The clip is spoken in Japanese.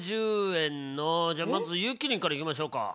１６０円のじゃあまずゆきりんからいきましょうか。